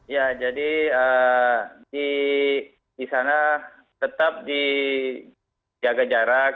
ya jadi di sana tetap dijaga jarak